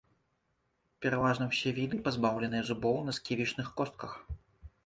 Пераважна ўсе віды пазбаўленыя зубоў на сківічных костках.